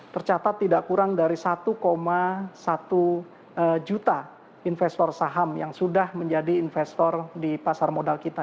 tercatat tidak kurang dari satu satu juta investor saham yang sudah menjadi investor di pasar modal kita